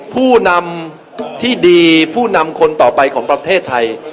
ผู้นำที่ดีผู้นำคนต่อไปของประเทศไทย